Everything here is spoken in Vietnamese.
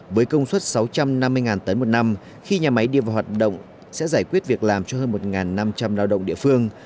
với công suất sáu trăm năm mươi tấn một năm khi nhà máy đi vào hoạt động sẽ giải quyết việc làm cho hơn một năm trăm linh lao động địa phương